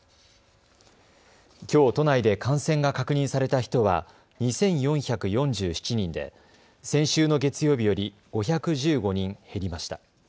きょう都内で感染が確認された人は２４４７人で先週の月曜日より５１５人減りました。